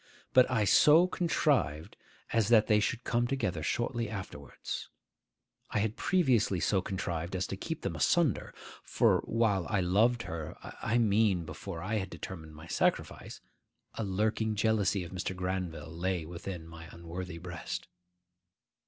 But I so contrived as that they should come together shortly afterwards. I had previously so contrived as to keep them asunder; for while I loved her,—I mean before I had determined on my sacrifice,—a lurking jealousy of Mr. Granville lay within my unworthy breast.